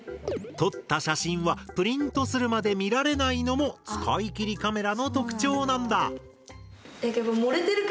撮った写真はプリントするまで見られないのも使い切りカメラの特徴なんだ。